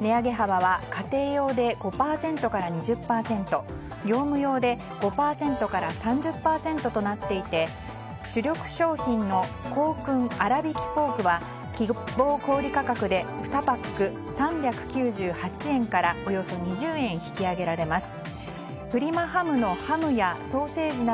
値上げ幅は家庭用で５％から２０％業務用で５％から３０％となっていて主力商品の香薫あらびきポークは希望小売価格で２パック３９８円からおよそ２０円引き上げられます。